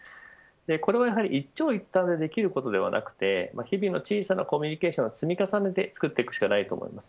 これはやはり一長一短でできることではなくて日々の小さなコミュニケーションの積み重ねで作っていくしかないと思います。